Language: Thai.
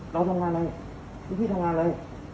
เราทำงานอะไรพี่ทำงานอะไร